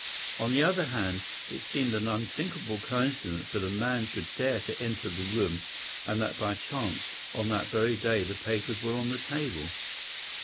On the other hand, it seemed an unthinkable coincidence that a man should dare to enter the room, and that by chance on that very day the papers were on the table.